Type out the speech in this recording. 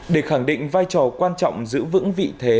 để khẳng định vai trò quan trọng giữ vững vị thế